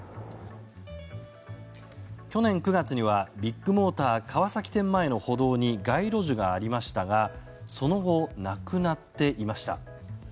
去年９月にはビッグモーター川崎店前の歩道に街路樹がありましたがその後、なくなっていました。